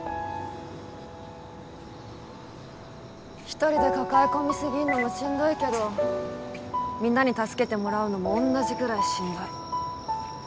一人で抱え込みすぎんのもしんどいけどみんなに助けてもらうのもおんなじぐらいしんどい